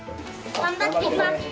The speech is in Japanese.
頑張ってきます。